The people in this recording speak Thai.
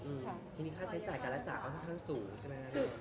ทีนี้ค่าใช้จ่ายการรักษาก็ค่อนข้างสูงใช่ไหมครับ